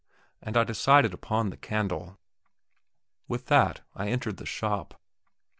and I decided upon the candle. With that I entered the shop.